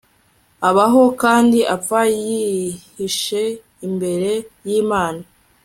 abaho kandi apfa yihishe imbere yimana